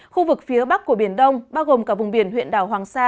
khu vực phía bắc của biển đông bao gồm cả vùng biển huyện đảo hoàng sa